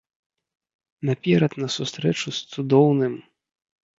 Наперад на сустрэчу з цудоўным!